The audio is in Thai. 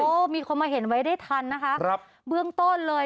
มีคนมาเห็นไว้ได้ทันนะคะครับเบื้องต้นเลย